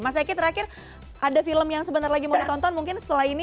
mas eki terakhir ada film yang sebentar lagi mau ditonton mungkin setelah ini